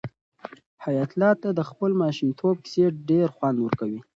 حیات الله ته د خپل ماشومتوب کیسې ډېر خوند ورکوي.